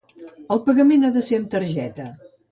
El pagament ha de ser amb tarjeta.